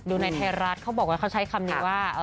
ดูในเทราะห์เขาบอกว่าเขาใช้คำนี้ว่า